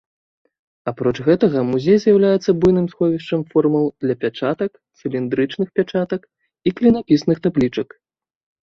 Апроч гэтага, музей з'яўляецца буйным сховішчам формаў для пячатак, цыліндрычных пячатак і клінапісных таблічак.